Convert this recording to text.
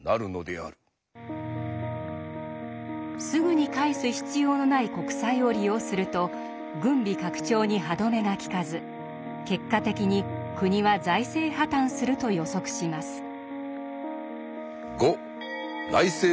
すぐに返す必要のない国債を利用すると軍備拡張に歯止めがきかず結果的に国は財政破綻すると予測します。